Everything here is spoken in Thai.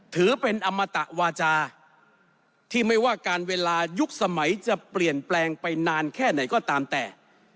ถือเป็นอมตะวาจาที่ไม่ว่าการเวลายุคสมัยจะเปลี่ยนแปลงไปนานแค่ไหนก็ตามแต่